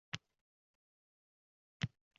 Bugun seshanba.